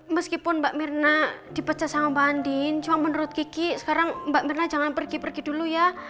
meskipun mbak mirna dipecah sama mbak andin cuma menurut kiki sekarang mbak mirna jangan pergi pergi dulu ya